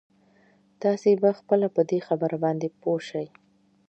تاسې به خپله په دې خبره باندې پوه شئ.